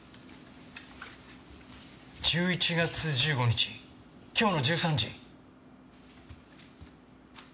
１１月１５日今日の１３時。